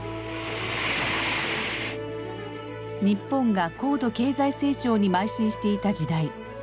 日本が高度経済成長にまい進していた時代。